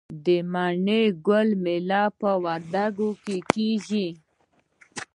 د مڼې ګل میله په وردګو کې کیږي.